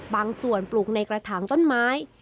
บางส่วนปลูกในกระถางต้นไม้